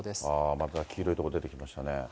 また黄色いとこ出てきましたね。